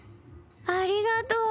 ありがとう。